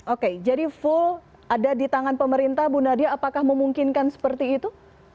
oke jadi full ada di tangan pemerintah bu nadia apakah memungkinkan seperti itu